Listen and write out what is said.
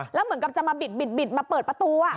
แล้วเหมือนกับจะมาบิดมาเปิดประตู